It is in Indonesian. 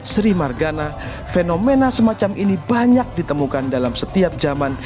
sri margana fenomena semacam ini banyak ditemukan dalam setiap zaman